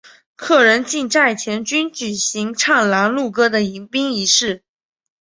客人进寨前均举行唱拦路歌的迎宾仪式。